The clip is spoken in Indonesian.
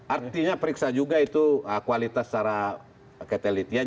artinya periksa juga itu kualitas secara ketelitian